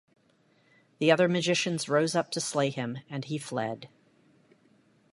The other magicians rose up to slay him, and he fled.